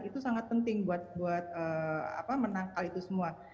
itu sangat penting buat menangkal itu semua